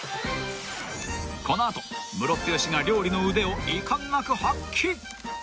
［この後ムロツヨシが料理の腕を遺憾なく発揮］